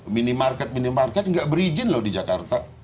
minimarket minimarket nggak berizin loh di jakarta